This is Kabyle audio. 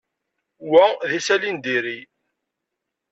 Wa d isali n diri.